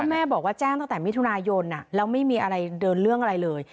แม่บอกว่าแจ้งตั้งแต่มิถุนายนแล้วไม่มีอะไรเดินเรื่องอะไรเลย